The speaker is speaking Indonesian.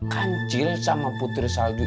kancil sama putri salju